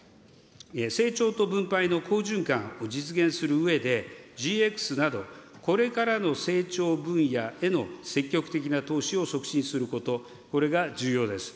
成長と分配の好循環を実現するうえで、ＧＸなど、これからの成長分野への積極的な投資を促進すること、これが重要です。